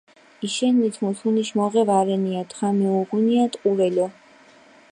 იშენით მუთუნიშ მოღე ვარენია, დღა მეუღუნია ტყურელო.